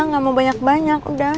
gak mau banyak banyak udah